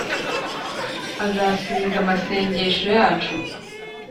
azasubiza amasengesho yacu.